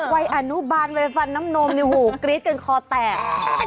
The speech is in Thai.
วัยอนุบาลวัยฟันน้ำนมเนี่ยหูกรี๊ดกันคอแตก